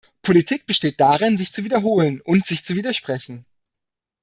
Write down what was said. Politik besteht darin, sich zu wiederholen und sich zu widersprechen.